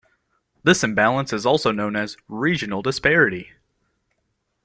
This imbalance is also known as regional disparity.